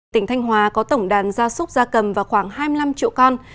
tỉnh thanh hóa có tổng đàn gia súc gia cầm và khoảng hai mươi năm triệu con